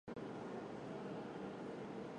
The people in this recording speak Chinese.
夫妇俩育有两儿一女。